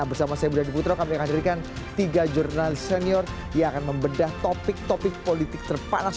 nah bersama saya budha diputro kami akan hadirkan tiga jurnal senior yang akan membedah topik topik politik terpanas